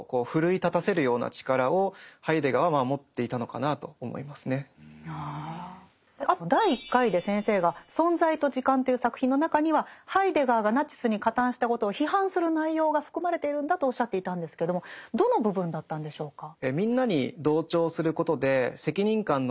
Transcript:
だからある種あと第１回で先生が「存在と時間」という作品の中にはハイデガーがナチスに加担したことを批判する内容が含まれているんだとおっしゃっていたんですけどもどの部分だったんでしょうか。